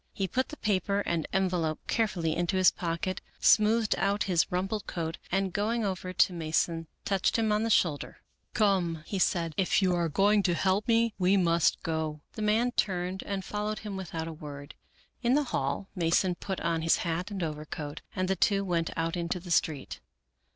He put the paper and envelope carefully into his pocket, smoothed out his rumpled coat, and going over to Mason touched him on the shoulder. " Come," he said, " if you are to help me we must go," The man turned and followed him without a word. In the hall Mason put on his hat and overcoat, and the two went out into the street.